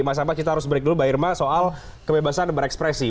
mas abah kita harus break dulu mbak irma soal kebebasan berekspresi